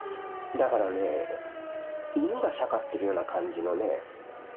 だからね犬が盛ってるような感じのね。